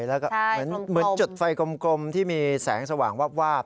ในจุดไฟกลมที่มีแสงสว่างว้าบ